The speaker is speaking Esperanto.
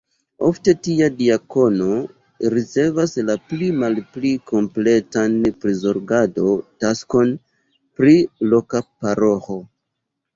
Ofte tia diakono ricevas la pli malpli kompletan prizorgado-taskon pri loka paroĥo.